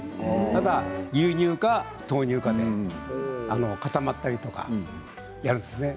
ただ牛乳か豆乳かで固まったりとかやるんですね。